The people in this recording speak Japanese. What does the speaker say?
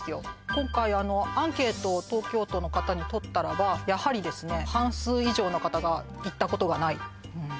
今回アンケートを東京都の方にとったらばやはりですね半数以上の方が行ったことがないうん